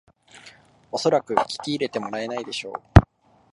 おそらく聞き入れてもらえないでしょう